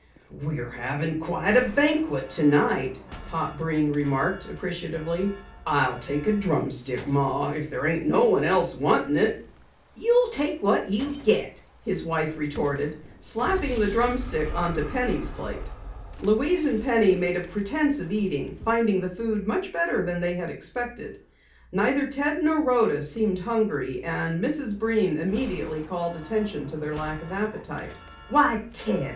"We're having quite a banquet tonight," Pop Breen remarked appreciatively. "I'll take a drumstick, Ma, if there ain't no one else wantin' it." "You'll take what you get," his wife retorted, slapping the drumstick onto Penny's plate. Louise and Penny made a pretense of eating, finding the food much better than they had expected. Neither Ted nor Rhoda seemed hungry, and Mrs. Breen immediately called attention to their lack of appetite. "Why, Ted!